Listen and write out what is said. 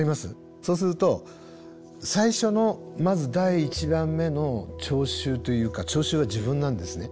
そうすると最初のまず第１番目の聴衆というか聴衆は自分なんですね。